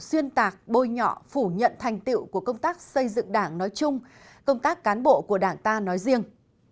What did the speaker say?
xuyên tạc bôi nhọ phủ nhận thành tiệu của công tác xây dựng đảng nói chung công tác cán bộ của đảng ta nói riêng